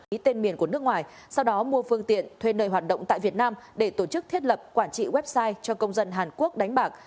ý tên miền của nước ngoài sau đó mua phương tiện thuê nơi hoạt động tại việt nam để tổ chức thiết lập quản trị website cho công dân hàn quốc đánh bạc